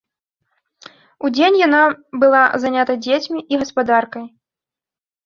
Удзень яна была занята дзецьмі і гаспадаркай.